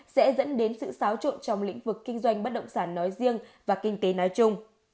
sẽ dẫn đến sự xáo trộn trong lĩnh vực kinh doanh bất động sản nói riêng và kinh tế nói chung